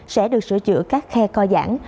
sẽ được sửa chữa các khe coi giãn